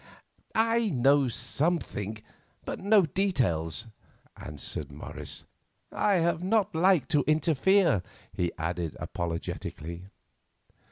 "I know something, but no details," answered Morris. "I have not liked to interfere," he added apologetically.